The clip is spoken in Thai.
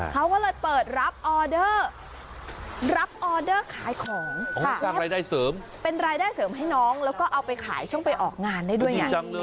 เขาก็เลยเปิดรับออเดอร์รับออเดอร์ขายของสร้างรายได้เสริมเป็นรายได้เสริมให้น้องแล้วก็เอาไปขายช่วงไปออกงานได้ด้วย